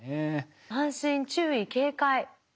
安心注意警戒。